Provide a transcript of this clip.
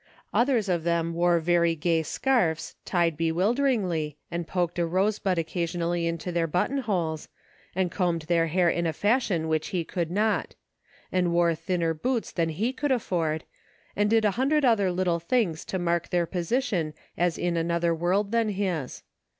Others of them wore very gay scarfs, tied bewilderingly, and poked a rosebud occasionally into their buttonholes, and combed their hair in a fashion which he could not ; and wore thinner boots than he could afford, and did a hundred other little things to mark their position as in another world than his.